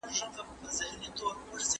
صديق چراغ